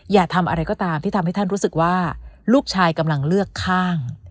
อย่าทำอะไรก็ตามที่ทำให้ท่านรู้สึกว่าลูกชายกำลังเลือกข้าง